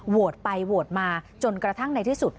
โหวตไปโหวตมาจนกระทั่งในที่สุด